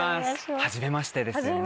はじめましてですね。